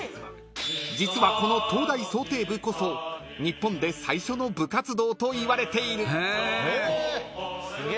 ［実はこの東大漕艇部こそ日本で最初の部活動といわれている］